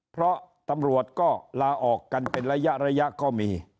เพราะตำรวจก็ลาออกกันเป็นระยะก็มี